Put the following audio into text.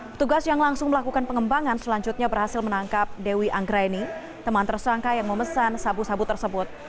petugas yang langsung melakukan pengembangan selanjutnya berhasil menangkap dewi anggraini teman tersangka yang memesan sabu sabu tersebut